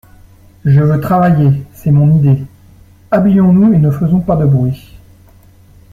Je veux travailler, c'est mon idée … Habillons-nous et ne faisons pas de bruit.